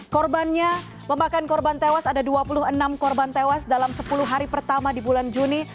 korbannya memakan korban tewas ada dua puluh enam korban tewas dalam sepuluh hari pertama di bulan juni